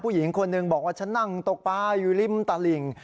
ผู้หญิงคนหนึ่งบอกว่าฉันนั่งตกปลาอยู่ริมตลิ่ง